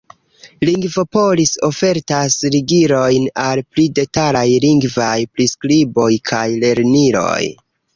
Lingvopolis ofertas ligilojn al pli detalaj lingvaj priskriboj kaj lerniloj.